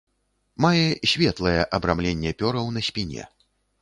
Мае светлае абрамленне пёраў на спіне.